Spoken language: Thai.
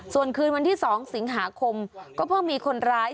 ส่วนคืนวันที่๒สิงหาคมก็เพิ่งมีคนร้าย